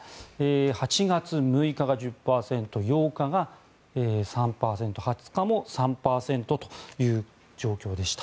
８月６日が１０％、８日が３％２０日も３％という状況でした。